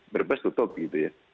berbes tutup gitu ya